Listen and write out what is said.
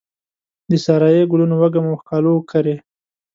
د سارایې ګلونو وږم او ښکالو وکرې